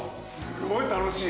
すごい楽しい。